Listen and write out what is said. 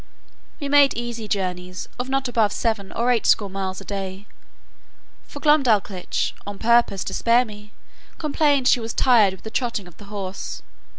We made easy journeys, of not above seven or eight score miles a day; for Glumdalclitch, on purpose to spare me, complained she was tired with the trotting of the horse.